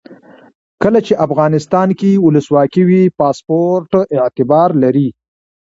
کله چې افغانستان کې ولسواکي وي پاسپورټ اعتبار لري.